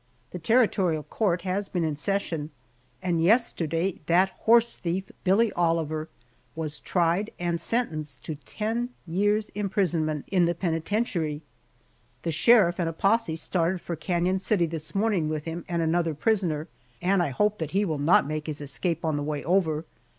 The Territorial Court has been in session, and yesterday that horse thief, Billy Oliver, was tried and sentenced to ten years' imprisonment in the penitentiary! The sheriff and a posse started for Canon City this morning with him and another prisoner, and I hope that he will not make his escape on the way over.